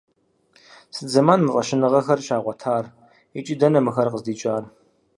Сыт зэман мы фӀэщыгъэхэр щагъуэтар, икӀи дэнэ мыхэр къыздикӀар?